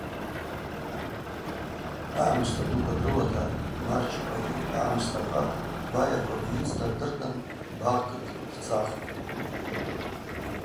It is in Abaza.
Агӏымста дуква дрыуата Марчипагьи агӏымстаквакӏ, байаквакӏ йыцта дырдан Багъкыт дцахтӏ.